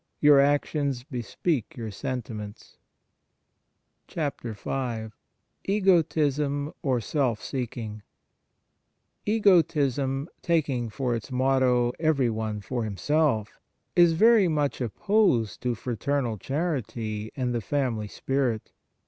Your actions bespeak your sentiments. 10 EGOTISM, OR SELF SEEKING EGOTISM, taking for its motto " Every one for himself," is very much opposed to fraternal charity and the family spirit.